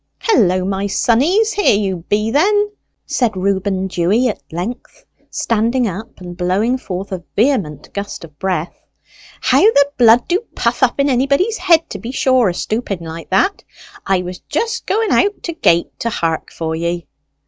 "Hullo, my sonnies, here you be, then!" said Reuben Dewy at length, standing up and blowing forth a vehement gust of breath. "How the blood do puff up in anybody's head, to be sure, a stooping like that! I was just going out to gate to hark for ye."